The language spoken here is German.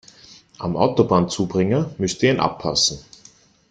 Am Autobahnzubringer müsst ihr ihn abpassen.